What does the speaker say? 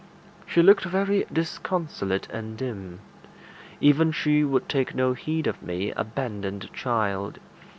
She looked very disconsolate and dim. Even she would take no heed of me, abandoned child!